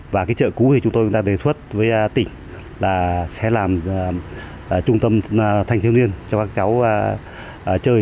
và chợ cũ chúng tôi đề xuất với tỉnh là sẽ làm trung tâm thanh thiên liên cho các cháu chơi